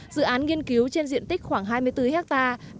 dự án nghiên cứu trên diện tích khoảng hai mươi bốn hectare